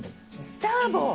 スターボー！